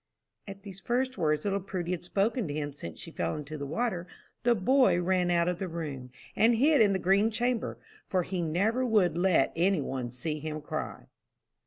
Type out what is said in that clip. At these first words little Prudy had spoken to him since she fell into the water, the boy ran out of the room, and hid in the green chamber, for he never would let any one see him cry.